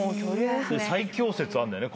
最強説あんだよね。